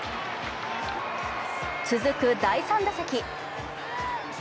続く第３打席。